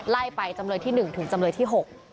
ไล่ไปจำเลยที่๑ถึงจำเลยที่๖